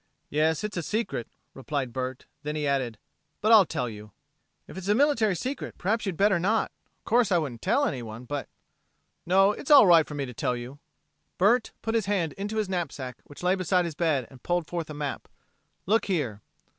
"Yes, it's a secret," replied Bert; then he added, "But I'll tell you." "If it's a military secret, perhaps you'd better not. Of course I wouldn't tell anyone, but...." "No, it's all right for me to tell you." Bert put his hand into his knapsack which lay beside his bed and pulled forth a map. "Look here."